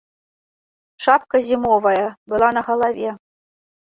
Шапка зімовая была на галаве.